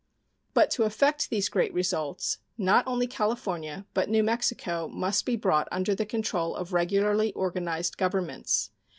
But to effect these great results not only California, but New Mexico, must be brought under the control of regularly organized governments.